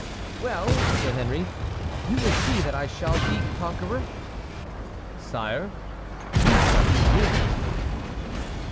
"Well," said Henry; "you will see that I shall be conqueror!" "Sire, you shall be king."